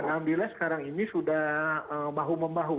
karena sekarang ini sudah mahu membahu